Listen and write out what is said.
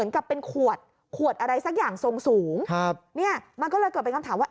กับเป็นขวดขวดอะไรสักอย่างทรงสูงครับเนี่ยมันก็เลยเกิดเป็นคำถามว่า